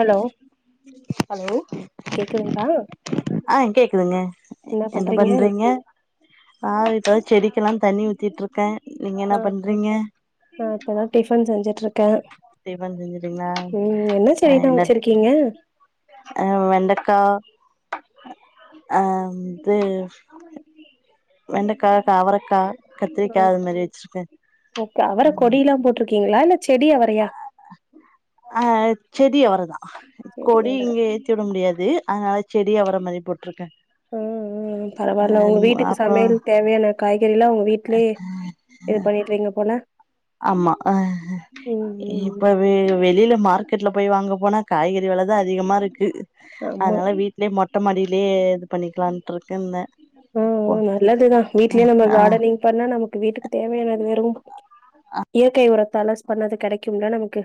hello hello கேக்குதுங்களா ஆஹ் கேக்குதுங்க என்ன பண்றீங்க ஆஹ் இதாவது செடிக்கெல்லாம் தண்ணி ஊத்திட்டு இருக்கே நீங்க என்ன ஆஹ்ஹ் பண்றீங்க இப்பதா டிபன் செஞ்சட்டு க டிஃபன் செஞ்சுட்டீங்கன்னா அஹ் செடிதா என்ன வச்சிருக்கீங்க அஹ் வெண்டக்கா அஹ் இது வெண்டைக்கா காவரைக்க ஓ அவர கொடிய எல்லாம் போட்டு இருக்கீங்களா இல்ல செடியா வறையா அஹ் செடி அவரதா செடி கோடி அவர இங்கே ஏற்றி விட முடியாது அதனால செடி அவர மாதிரி போட்டிருக்கேன் உஹம் பரவாயில்ல உங்க வீட்டுக்கு அப்றோ சமையல் தேவையான தெரியிலா உங்க வீடலேயே இது பண்ணிட்டுறீங்க போன ஆமா ஆஹ் ம் இப்ப ம் வெளியில மா மார்க்கெட்ல போய் வாங்க போனா காய்கறி விலதா அதிகமா இருக்கு ஆமா அதனால வீட்லயே மொட்ட மாடியிலேயே பண்ணிக்கலா ன்ட்ருக்கே ன்ன ம் ம் நல்லதுதா வீட்லே நம்ம ஆ கார்டனிங் பண்ணா நமக்கு வீட்டுக்கு தேவையானது வரு இயற்கை உரம் தலஸ் பண்ணது கெடைக்கும்ல நமக்கு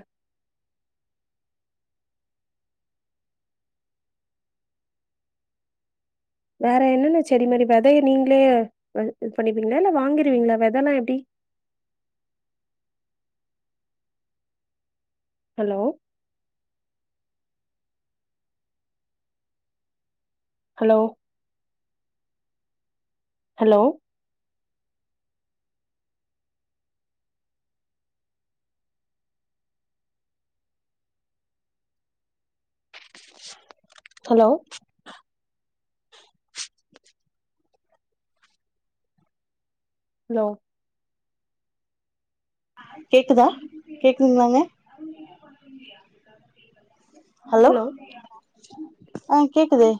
வேற என்னன்னு செடி மரி வெதைய நீங்களே வ இது பண்ணிப்பீங்ளா இல்ல வாங்கிருவீங்ளா வெதனா எப்டி hello hello hello hello hello கேக்குதா கேக்குதுங்களாங்க ஹலோ ஆ கேக்குது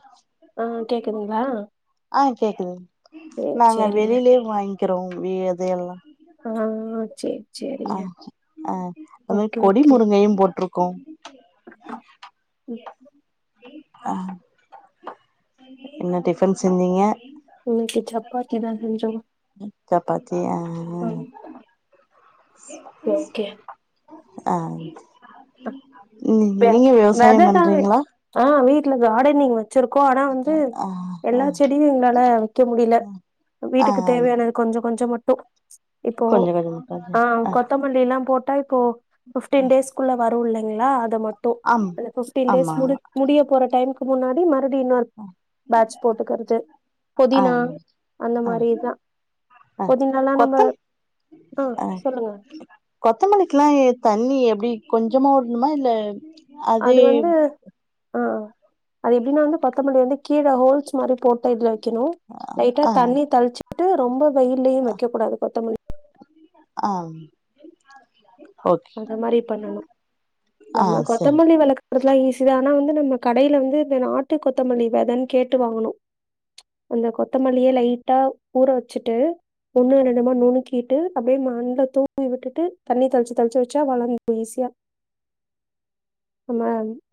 ஆ கேக்குதுங்ளா ஆ கேக்குது நாங்க வெளிலிலே வாங்கி கிறோ வே வெதை எல்லா ஆ ஆ ஆ ஆ அதும ஓகே கொடி ஓகே முருங்கையு போட்ருக்கு க்கு [inaudible] என்ன டிஃபன் செஞ்சீங்க இன்னைக்கு சப்பாத்தி தா செஞ்சோ சப்பாத்தி ஆ ஓகே [inaudible] ஓகே [inaudible] ஆ ம் வெ நீங்க விவசாய வெததா பண்றீங்களா ஆ வீட்ல காடனிங் வ ச்சிருக்கோ ஆனா வந்து ஆ ஆ எல்லா செடியு எங்ளால வைக்க முடில ஆ வீட்டுக்கு தேவையானது கொஞ்சோ கொஞ்சோ மட் [unintelligible] இப்போ கொஞ்ச கொஞ்சமா ஆ கொஞ்ச கொத்தமல்லில்லா போட் ஓ ஃபிவ்டின் டேஸ் வரும் இல்லைங்ளா அத மட் ட்டு ஆம் அந்த ஃபிஃப்டின் டேஸ் ஆமா மு முடிய போற டைமு கு முன்னாடி ம மறுப்டி இன்னொரு பேட்ச் போட்டுக்கறது ஆ புதினா அந்த ஆ மாரி தா ஆ ஒர்ஜினல்லா நம்ப கொத்தம் ஆ சொல்லுங்க கொத்தமல்லிக்கில்லா எத் தண்ணி எப்புடி கொஞ்சமா உட்ணுமா இல்ல அது வந்து அதேப் ஆ அது எப்டின்னா வந்து கொத்தமல்லி வந்து கீழே ஹோல்ஸ் மாரி போட்ட இதுல வெக் கினு லைட்டா ஆ தண்ணி தள்ச்சு ட்டு ரொம்ப வெயில்லியு வெக்கக்கூடாது கொத்தமல்லி ஆம் அத மாரி பண்ணனு ஆ நம்ம சரி கொத்தமல்லி [unintelligible] ஈசி தா நா வந்து நம்ம கடைல வந்து இந்த நாட்டு கொத்தமல்லி வெதன் கேட்டு வாங்குனு அந்த கொத்தமல்லிய லைட்டா ஊற வச்சுட்டு ஒண்ணு ரெண்டுமா நுணுக்கிட்டு அப்டியே மண்ல தூவி விட்டுட்டு தண்ணி தள்ச்சி தெள்ச்சு வெச்சா [unintelligible] ஈஸியா நம்ம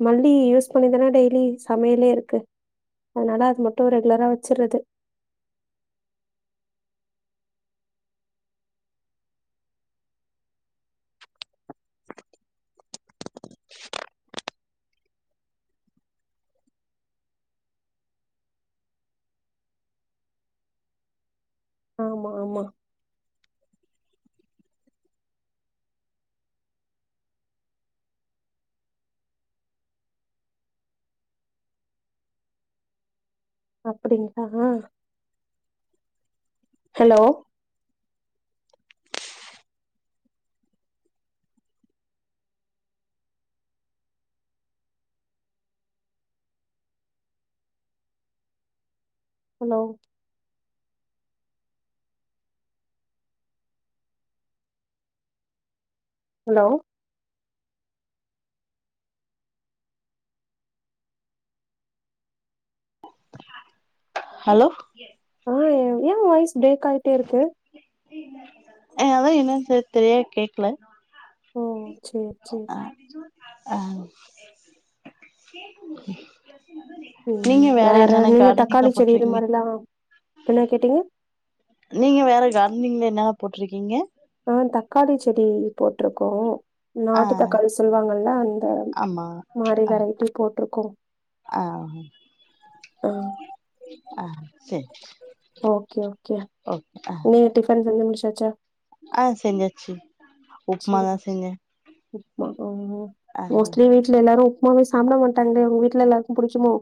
மல்லி யூஸ் பண்ணிதன டெய்லி சமையலே இருக்கு அதனால அது மட்டும் ரெகுலரா வச்சுட்ரது ஆமா ஆமா அப்புடிங்களா ஹலோ ஹலோ ஹலோ ஹலோ ஆ ஏவ் ஏ வாயிஸ் பிரேக் ஆயிட்டே இருக்கு அ அதா என்னன் [unintelligible] கேக்ல ஓ சேரி சேரி ஆ ம் நீங்க வேற என்னென்ன நீங்க கார்டனிங்ல தக்காளி செடி இது போட்ருக்கீங்க மாரில்லா இப்பேன்னா கேட்டீங்க நீங்க வேற கார்டனிங்ல என்னென்ன போட்ருக்கீங்க ஆ தக்காளி செடி போட்டிருக்கோ ஆ நாட்டு தக்காளி சொல்லுவாங்கல்ல அந்த ஆமா மாரி ஆ வெரைட்டி போட் ருக்கோ ஆ ஆ சரி ஓக் நீ டிஃபன் செஞ்சு முடிச்சா ச்சா ஆ செஞ்சாச்சு சேரிங்க உப்மாதா செஞ்சே உப்மா ம் ஆ மோஸ்ட்லி வீட்ல எல்லாரு உப்புமாவே சாப்ட மாட்டாங்களே உங்க வீட்ல எல்லாருக்கு புடிக்குமோ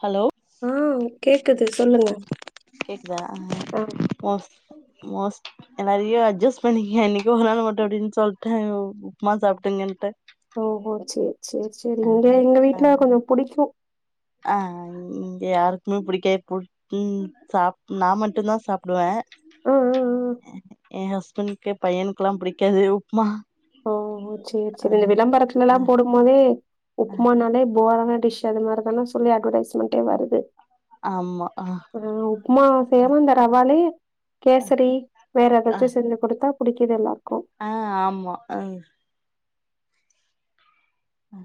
ஹலோ ஆ கேக்குது சொல்லுங்க கேக்குதா ஆ மோஸ்ட் மோஸ்ட் நறைய அட்ஜஸ்ட் பண்ணிக்கங்க என்னைக்கோ ஒரு நாள் மட்டும் அப்டின்னு சொல்ட்டே உப்புமா சாப்ட்டங்கன்ட்டு ஓ ஓ சேரி சேரி சேரி இங்க எங்க வீட்ல கொஞ்சம் புடிக்கும் அ இங்க யாருக்குமே புடிக்கவே புட் ம் சாப் நா மட்டுந்தா சாப்புடுவே ம் ம் ம் அ அ என் ஹஸ்பண்ட்க்கு பையனுக்குல்லா பிடிக்காது உப்மா [unintelligible] சேரி ஆ சேரி இந்த விளம்பரத்துலல்லா ஆ போடும் மோதே ஆ உப்மானாலே போரான டிஷ் அது மாரிதானா சொல்லி அட்வடைஸ்மெண்டே வருது ஆமா ஆ ஒரு உப்புமா செய்யாமா அந்த ரவாலேயே கேசரி வேற ஆ ஏதாச்சு செஞ்சு குடுத்தா புடிக்கிது எல்லார்க்கு ஆ, ஆமா, அ ம்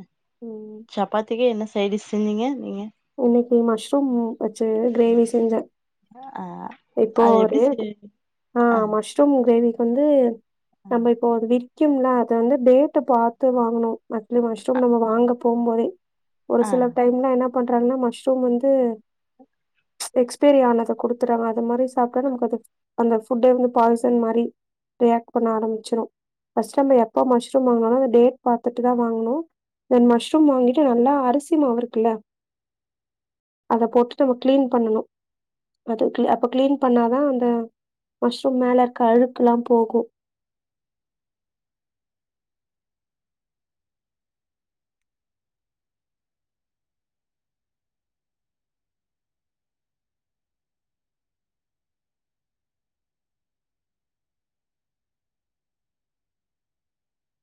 ம், ம் சப்பாத்திக்கே என்ன சைடிஸ் செஞ்சிங்க நீங்க இன்னைக்கி மஷ்ரூம் வச்சு கிரேவி செஞ்சே ஆ இப்போ அது எப்டி ரேட் செய் ஆ, மஷ்ரூம் கிரேவி வந்து நம்ப இப்போ அது வி க்கிம்ல அத வந்து டேட்ட பாத்து வாங்கனு மந்த்லி ஆ மஷ்ரூம் நம்ம வாங்க போகும் போது ஒரு ஆ சில டைம்ல என்ன பண்றாங்கன்னா மஷ்ரூம் வந்து எக்ஸ்பரி ஆனத குடுத்துட்றாங்க அது மாரி சாப்ட்ட நமக்கு அது அந்த ஃபுட்டே வந்து பாய்சன் மாரி ரியாக்ட் பண்ண ஆரம்பிச்சிடு, ஃபஸ்ட் நம்ம எப்ப மஷ்ரூம் வாங்குனாலு அத டேட் பாத்துட்டுதா வாங்கு தென் மஷ்ரூம் வாங்கிட்டு நல்லா அரிசிமாவு இருக்குல்ல அத போட்டு நம்ம கிளீன் பண்ணணு அது அப்ப கிளீன் பண்ணாதா அந்த மஷ்ரூம் மேல இருக்ற அழுக்குல்லா போகு